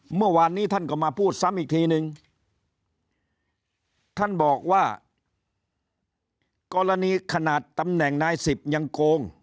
เมื่อวานนี้ท่านก็มาพูดซ้ำอีกทีนึงท่านบอกว่ากรณีขนาดตำแหน่งนายสิบยังโกง